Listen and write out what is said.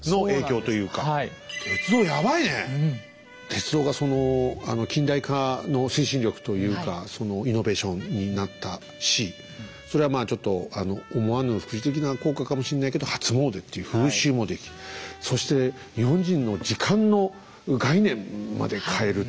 鉄道がその近代化の推進力というかそのイノベーションになったしそれはまあちょっと思わぬ副次的な効果かもしれないけど初詣っていう風習も出来そして日本人の時間の概念まで変えるっていう。